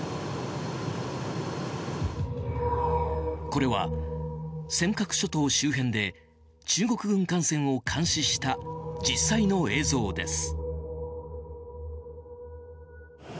これは尖閣諸島周辺で中国軍艦船を監視した実際の映像です。